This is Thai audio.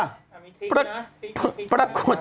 พระพระประกฎ